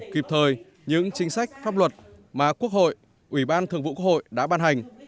kịp thời những chính sách pháp luật mà quốc hội ủy ban thường vụ quốc hội đã ban hành